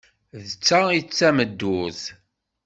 D ta ay d tameddurt!